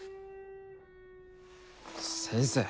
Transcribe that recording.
先生